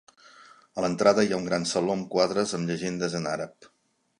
A l'entrada hi ha un gran saló amb quadres amb llegendes en àrab.